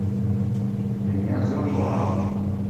دنیا زۆر گۆڕاوە.